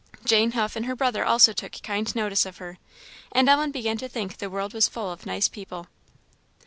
Jane Huff and her brother also took kind notice of her; and Ellen began to think the world was full of nice people.